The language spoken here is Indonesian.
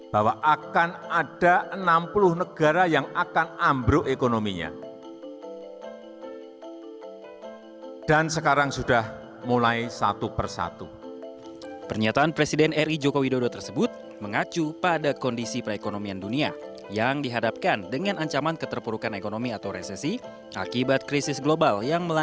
bahwa akan ada enam puluh negara yang akan ambruk ekonominya